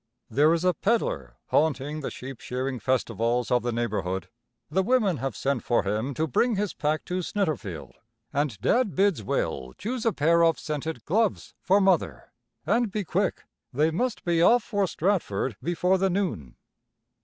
There is a pedler haunting the sheep shearing festivals of the neighborhood. The women have sent for him to bring his pack to Snitterfield, and Dad bids Will choose a pair of scented gloves for Mother and be quick; they must be off for Stratford before the noon.